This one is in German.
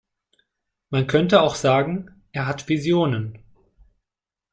Man könnte auch sagen, er hat Visionen.